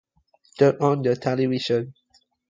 turn on the television